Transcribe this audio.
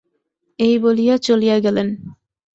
এই বলিয়া চলিয়া গেলেন।